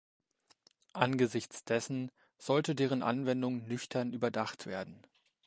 Angesichts dessen sollte deren Anwendung nüchtern überdacht werden.